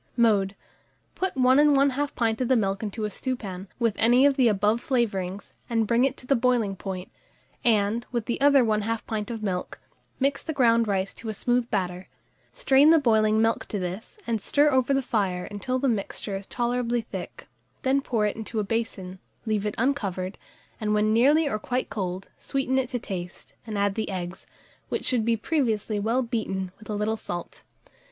Mode. Put 1 1/2 pint of the milk into a stewpan, with any of the above flavourings, and bring it to the boiling point, and, with the other 1/2 pint of milk, mix the ground rice to a smooth batter; strain the boiling milk to this, and stir over the fire until the mixture is tolerably thick; then pour it into a basin, leave it uncovered, and when nearly or quite cold, sweeten it to taste, and add the eggs, which should be previously well beaten, with a little salt.